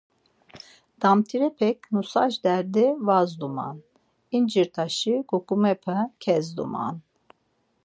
Damtirepek nusaş derdi va zdiman, incirt̆aşi ǩuǩumape kezdiman.